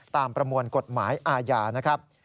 ประมวลกฎหมายอาญานะครับ